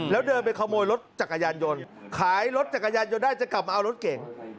แล้วเดินไปขโมยรถจักรยานยนต์ขายรถจักรยานยนต์ได้จะกลับมาเอารถเก๋ง